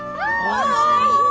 おいしい。